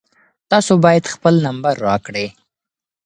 تاسو باید خپل نمبر راکړئ.